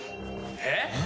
えっ！？